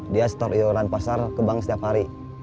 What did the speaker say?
dia store iuran pasar ke bank setiap hari